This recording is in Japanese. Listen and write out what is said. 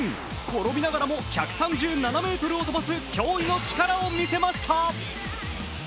転びながらも１３７ｍを飛ばす驚異の力を見せました。